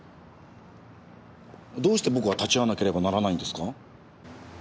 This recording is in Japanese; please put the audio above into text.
どうして僕が立ち会わなければならないんですか？